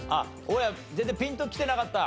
大家全然ピンときてなかった？